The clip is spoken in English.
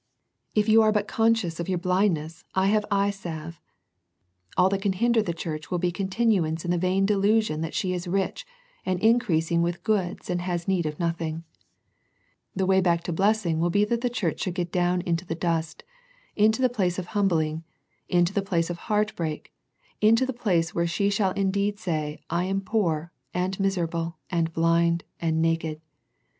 The Laodicea Letter 207 If you are but conscious of your blindness, I have eye salve. All that can hinder the church will be continuance in the vain delusion that she is rich and increased with goods and has need of nothing. The way back to blessing will be that the church should get down into the dust, into the place of humbling, into the place of heart break, into the place where she shall indeed say I am poor, and miserable, and blind, and naked.